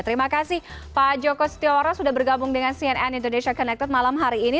terima kasih pak joko setiora sudah bergabung dengan cnn indonesia connected malam hari ini